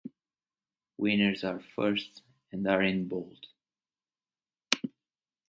Winners are first and are in bold.